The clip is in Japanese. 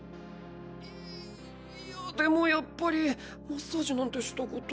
いいやでもやっぱりマッサージなんてしたことないし。